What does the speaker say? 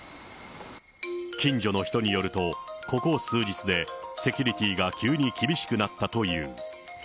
近所の人によると、ここ数日でセキュリティーが急に厳しくなったという。